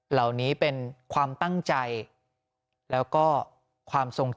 หยุดหยุด